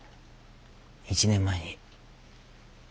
１年前に。